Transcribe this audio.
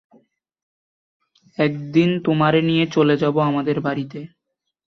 একদিন তোমারে নিয়ে চলে যাবো আমাদের বাড়িতে।